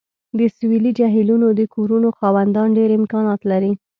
د سویلي جهیلونو د کورونو خاوندان ډیر امکانات لري